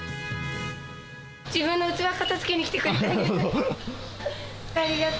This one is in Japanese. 自分の器、片づけに来てくれた。